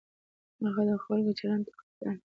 هغه د خلکو چلند ته کتل.